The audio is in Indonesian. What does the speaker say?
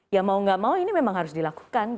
ya mau nggak mau ini memang harus dilakukan